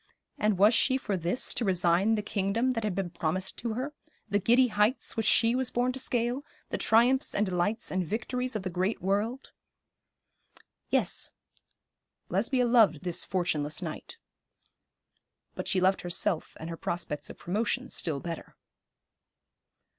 And was she for this to resign the kingdom that had been promised to her, the giddy heights which she was born to scale, the triumphs and delights and victories of the great world? Yes, Lesbia loved this fortuneless knight; but she loved herself and her prospects of promotion still better.